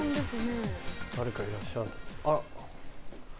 誰かいらっしゃるあら！